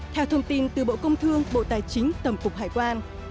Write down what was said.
theo thông tin từ bộ công thương bộ tài chính tổng cục hải quan